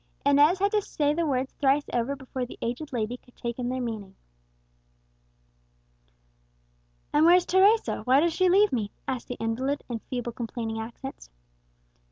Inez had to say the words thrice over before the aged lady could take in their meaning. "And where's Teresa? why does she leave me?" asked the invalid, in feeble complaining accents.